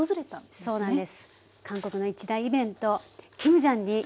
そうなんです。